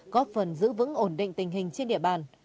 góp phần giữ vững ổn định tình hình trên địa bàn